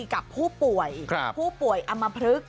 กับผู้ป่วยอมพลึก